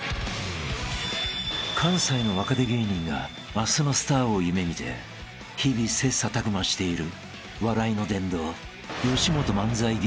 ［関西の若手芸人が明日のスターを夢見て日々切磋琢磨している笑いの殿堂よしもと漫才劇場］